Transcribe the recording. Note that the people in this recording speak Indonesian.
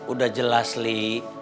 udah jelas li